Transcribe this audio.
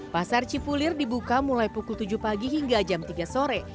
pasar cipulir dibuka mulai pukul tujuh pagi hingga jam tiga sore